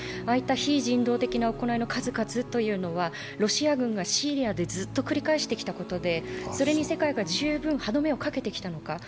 ああいった非人道的な行いの数々というのはロシア軍がシリアでずっと繰り返してきたことでそれに世界が十分、歯止めをかけてきたのか。